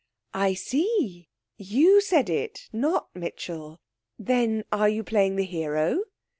'I see. You said it, not Mitchell. Then are you playing the hero?'